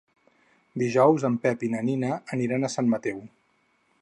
Dijous en Pep i na Nina aniran a Sant Mateu.